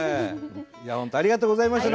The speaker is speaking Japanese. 本当ありがとうございました。